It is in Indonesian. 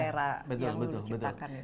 selera yang lulu ciptakan